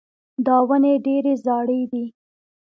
دا ونې ډېرې زاړې دي.